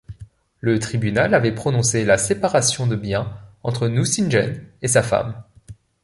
Le Tribunal avait prononcé la séparation de biens entre Nucingen et sa femme.